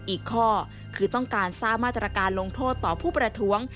อีกข้อคือต้องการสร้างมาตรการลงโทษต่อผู้ประท้วง